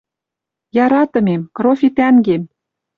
«Яратымем, Крофи тӓнгем